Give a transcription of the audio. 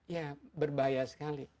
ya berbahaya sekali